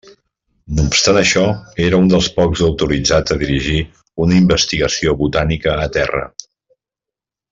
No obstant això, era un dels pocs autoritzats a dirigir una investigació botànica a terra.